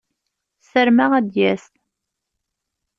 Sarmeɣ ad d-yas.